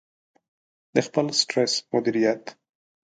-د خپل سټرس مدیریت